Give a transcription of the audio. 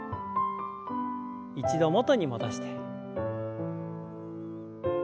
一度元に戻して。